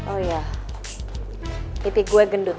oh ya titik gue gendut